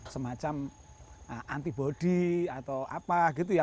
semacam antibody atau apa gitu ya